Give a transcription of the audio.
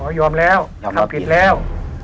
เขายอมแล้วน้ำนี้แล้ว